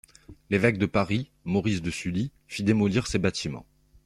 L'évêque de Paris Maurice de Sully fit démolir ces bâtiments.